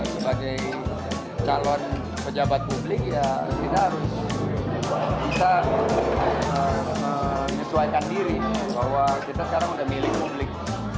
sebagai calon pejabat publik ya kita harus bisa menyesuaikan diri bahwa kita sekarang udah milih publik